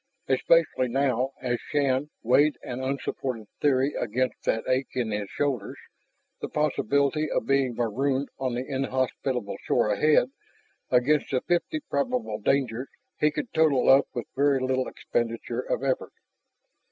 Especially now, as Shann weighed an unsupported theory against that ache in his shoulders, the possibility of being marooned on the inhospitable shore ahead, against the fifty probable dangers he could total up with very little expenditure of effort.